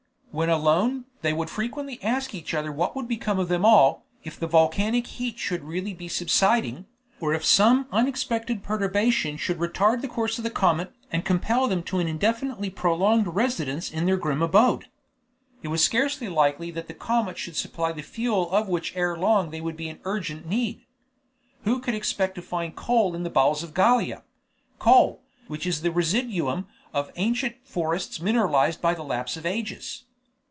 When alone, they would frequently ask each other what would become of them all, if the volcanic heat should really be subsiding, or if some unexpected perturbation should retard the course of the comet, and compel them to an indefinitely prolonged residence in their grim abode. It was scarcely likely that the comet could supply the fuel of which ere long they would be in urgent need. Who could expect to find coal in the bowels of Gallia, coal, which is the residuum of ancient forests mineralized by the lapse of ages?